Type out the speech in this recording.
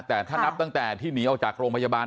แต่ถ้านับตั้งแต่ที่หนีออกจากโรงพยาบาล